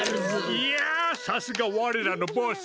いやさすがわれらのボス！